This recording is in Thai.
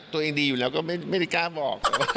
ตัวเองดีอยู่แล้วก็ไม่ได้กล้าบอก